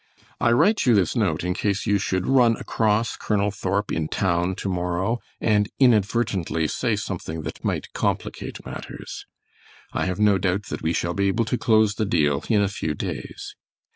I write you this note in case you should run across Colonel Thorp in town to morrow, and inadvertently say something that might complicate matters. I have no doubt that we shall be able to close the deal in a few days.